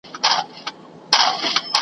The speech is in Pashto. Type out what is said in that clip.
پیاز دي وي په نیاز دي وي